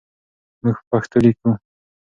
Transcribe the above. موږ په پښتو لیکو.